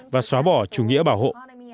và xóa bỏ chủ nghĩa bảo hộ